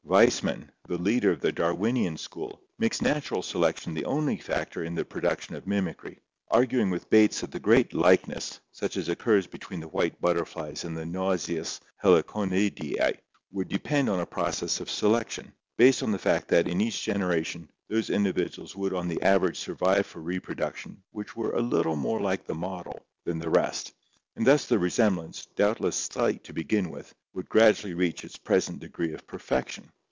— Weismann, the leader of the Darwinian school, makes natural selection the only factor in the production of mimicry, arguing with Bates that the great likeness, such as occurs between the white butterflies and the nauseous Heliconiidae, would depend on a process of selection, based on the fact that, in each generation, those individuals would on the average survive for reproduction which were a little more like the model than the rest, and thus the resemblance, doubtless slight to begin with, would gradually reach its present degree of perfection.